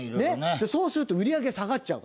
そうすると売り上げ下がる。